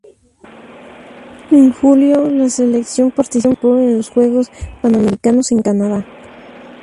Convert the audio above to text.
En julio, la selección participó en los Juegos Panamericanos en Canadá.